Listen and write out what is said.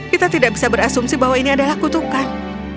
kita tidak bisa berasumsi bahwa ini adalah kutukan